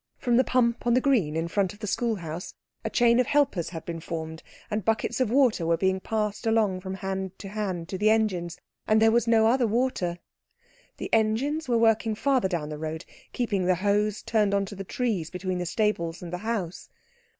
From the pump on the green in front of the schoolhouse, a chain of helpers had been formed, and buckets of water were being passed along from hand to hand to the engines; and there was no other water. The engines were working farther down the road, keeping the hose turned on to the trees between the stables and the house.